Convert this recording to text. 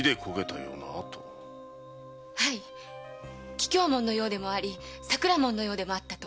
桔梗紋のようでもあり桜紋のようでもあったと。